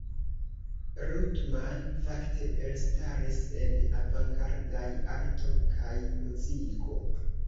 Ruttmann fakte elstaris en avangardaj arto kaj muziko.